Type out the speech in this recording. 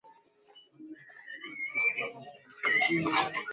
Ili kubalansi mkono mkataji angesimama sambamba kabisa na anayekatwa